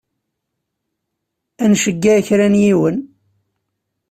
Ad nceyyeɛ kra n yiwen.